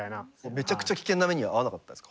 めちゃくちゃ危険な目には遭わなかったですか？